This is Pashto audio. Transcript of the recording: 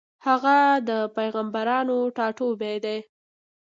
هغه د پېغمبرانو ټاټوبی دی.